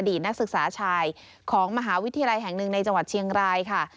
นักศึกษาชายของมหาวิทยาลัยแห่งหนึ่งในจังหวัดเชียงรายค่ะ